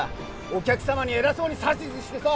お客様に偉そうに指図してさ。